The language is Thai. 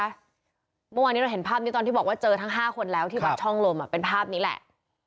เมื่อวานนี้เราเห็นภาพนี้ตอนที่บอกว่าเจอทั้ง๕คนแล้วที่วัดช่องลมเป็นภาพนี้แหละ